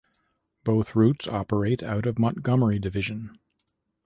Both Routes operate out of Montgomery division.